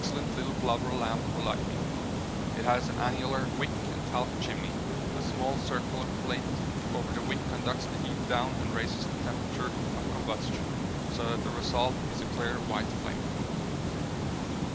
Day has made an excellent little blubber lamp for lighting; it has an annular wick and talc chimney; a small circular plate over the wick conducts the heat down and raises the temperature of combustion, so that the result is a clear white flame.